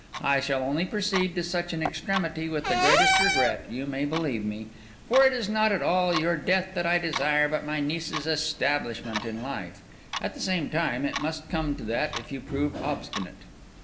I shall only proceed to such an extremity with the greatest regret, you may believe me. For it is not at all your death that I desire, but my niece's establishment in life. At the same time, it must come to that if you prove obstinate.